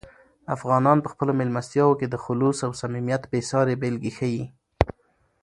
افغانان په خپلو مېلمستیاوو کې د "خلوص" او "صمیمیت" بې سارې بېلګې ښیي.